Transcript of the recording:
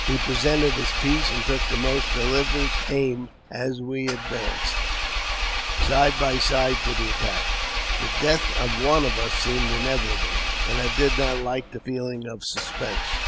He presented his piece, and took the most deliberate aim as we advanced side by side to the attack. The death of one of us seemed inevitable, and I did not like the feeling of suspense.